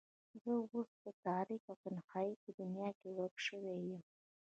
زه اوس د تاريکۍ او تنهايۍ په دنيا کې ورکه شوې يم.